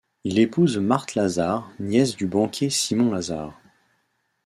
Il épouse Marthe Lazard, nièce du banquier Simon Lazard.